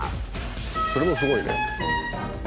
それもすごいね。